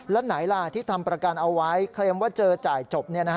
แล้วไหนล่ะที่ทำประกันเอาไว้เคลมว่าเจอจ่ายจบ